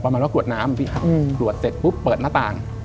ประมาณว่ากรวดน้ำพี่ครับตรวจเสร็จปุ๊บเปิดหน้าต่าง